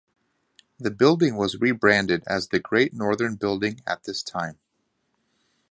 The building was rebranded as the Great Northern Building at this time.